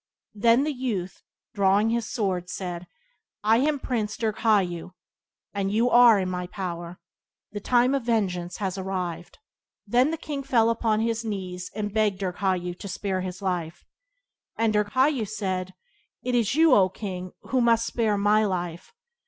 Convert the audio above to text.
Then the youth, drawing his sword, said: "I am Prince Dirghayu, and you are in my power: the time of vengeance has arrived." Then the king fell upon his knees and begged Dirghayu to spare his life. And Dirghayu said: "It is you, 0 King! who must spare my life.